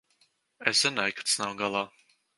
Es zināju, ka tas nav galā.